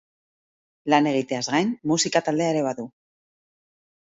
Lan egiteaz gain, musika taldea ere badu.